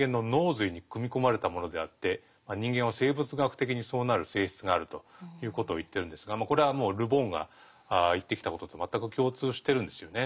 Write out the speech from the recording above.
人間は生物学的にそうなる性質があるということを言ってるんですがこれはもうル・ボンが言ってきたことと全く共通してるんですよね。